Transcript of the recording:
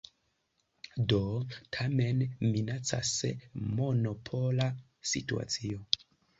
Do tamen minacas monopola situacio.